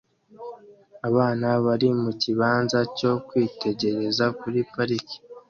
Abana bari mukibanza cyo kwitegereza kuri parike